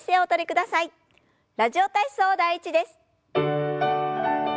「ラジオ体操第１」です。